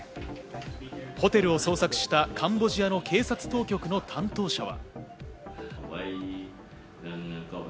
ホテルを捜索したカンボジアの警察当局の担当者は。